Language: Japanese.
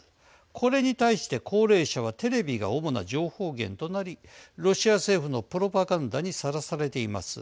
これに対して高齢者はテレビが主な情報源となりロシア政府のプロパガンダにさらされています。